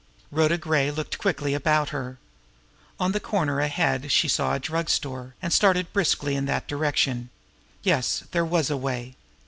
Rhoda Gray looked quickly about her. On the corner ahead she saw a drug store, and started briskly in that direction. Yes, there was a way!